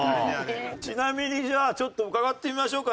ちなみにじゃあちょっと伺ってみましょうか。